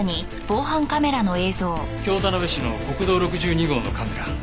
京田辺市の国道６２号のカメラ。